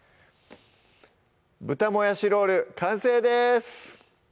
「豚もやしロール」完成です